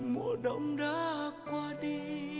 mùa đông đã qua đi